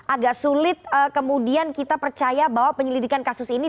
agak sulit kemudian kita percaya bahwa penyelidikan kasus ini